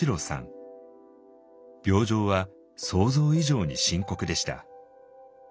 病状は想像以上に深刻でした。